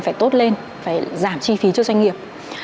phải tốt lên phải giảm chi phí cho doanh nghiệp